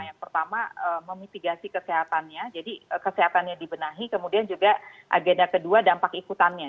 yang pertama memitigasi kesehatannya jadi kesehatannya dibenahi kemudian juga agenda kedua dampak ikutannya